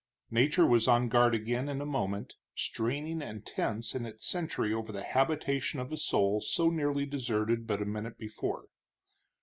Nature was on guard again in a moment, straining and tense in its sentry over the habitation of a soul so nearly deserted but a minute before.